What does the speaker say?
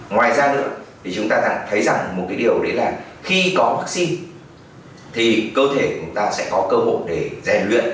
ngoài ra nữa thì chúng ta thấy rằng một cái điều đấy là khi có vaccine thì cơ thể chúng ta sẽ có cơ hội để rèn luyện